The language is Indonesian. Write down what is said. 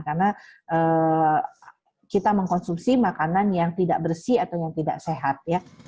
karena kita mengkonsumsi makanan yang tidak bersih atau yang tidak sehat